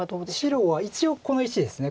白は一応この石です。